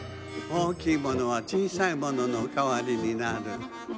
おおきいものはちいさいもののかわりになる。